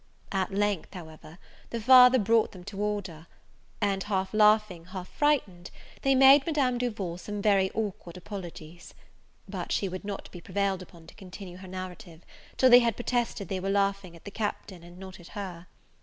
At length, however, the father brought them to order; and, half laughing, half frightened, they made Madame Duval some very awkward apologies. But she would not be prevailed upon to continue her narrative, till they had protested they were laughing at the Captain, and not at her.